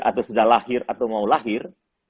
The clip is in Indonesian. atau sudah lahir atau mau lahir